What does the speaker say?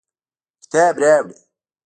کتاب راوړه